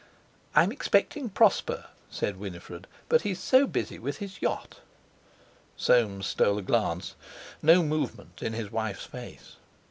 "I'm expecting Prosper," said Winifred, "but he's so busy with his yacht." Soames stole a glance. No movement in his wife's face!